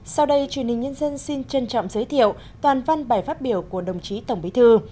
sau đây truyền hình nhân dân xin trân trọng giới thiệu toàn văn bài phát biểu của đồng chí tổng bí thư